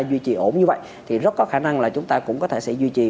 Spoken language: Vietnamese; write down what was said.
duy trì ổn như vậy thì rất có khả năng là chúng ta cũng có thể sẽ duy trì